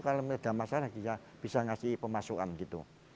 kalau ada masalah bisa ngasih pemasukan gitu